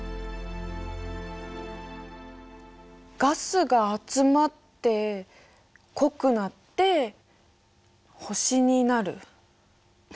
ガスが集まって濃くなって星になる。